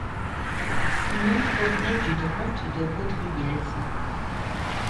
Son nom provenait du dronte de Rodriguez.